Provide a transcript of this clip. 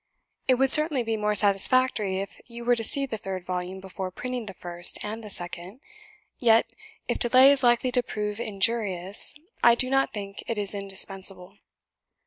It would certainly be more satisfactory if you were to see the third volume before printing the first and the second; yet, if delay is likely to prove injurious, I do not think it is indispensable.